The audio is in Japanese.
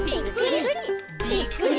ぴっくり！